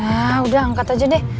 ah udah angkat aja deh